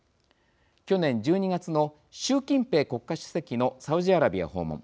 去年１２月の習近平国家主席のサウジアラビア訪問。